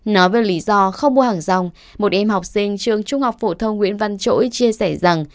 nói về lý do không mua hàng dòng một em học sinh trường trung học phổ thông nguyễn văn chỗi chia sẻ rằng